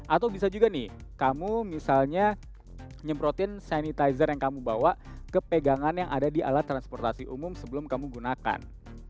atau bisa juga nih kamu misalnya nyemprotin sanitizer yang kamu bawa ke pegangan yang ada di alat transportasi umum sebelum kamu gunakan